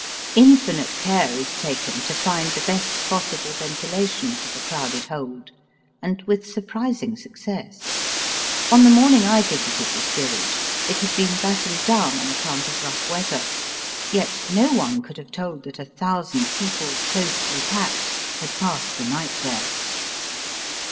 Infinite care is taken to find the best possible ventilation for the crowded hold, and with surprising success. On the morning I visited the steerage it had been battened down on account of rough weather; yet no one could have told that a thousand people closely packed had passed the night there.